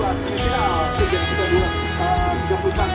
ada di kota mereka